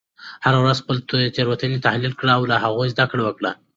هره ورځ خپلې تیروتنې تحلیل کړه او له هغوی زده کړه وکړه.